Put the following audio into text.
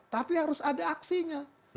tapi harus ada aksinya